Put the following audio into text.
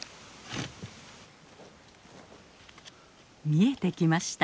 見えてきました。